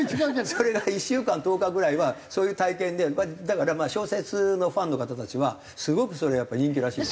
それが１週間１０日ぐらいはそういう体験でだからまあ小説のファンの方たちはすごくそれやっぱり人気らしい。